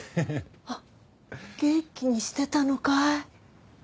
元気にしてたのかい？